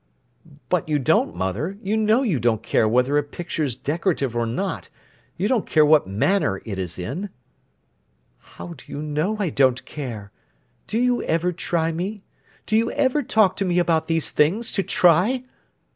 "But you don't, mother, you know you don't care whether a picture's decorative or not; you don't care what manner it is in." "How do you know I don't care? Do you ever try me? Do you ever talk to me about these things, to try?"